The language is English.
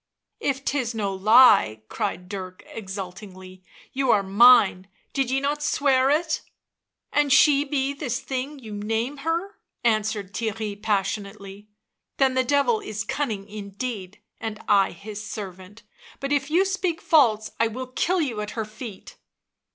" If 'tis no lie," cried Dirk exultingly, " you are mine — did ye not swear it?" " An' she be this thing you name her," answered Theirry passionately, " then the Devil is cunning indeed, and I his servant; but if you speak false I will kill you at her feet."